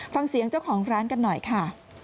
ฟังเสียงเจ้าของร้านกันหน่อยค่ะ